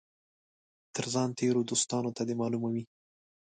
تر ځان تېرو دوستانو ته دي معلومه وي.